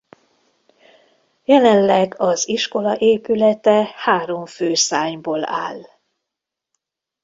Jelenleg az iskola épülete három fő szárnyból áll.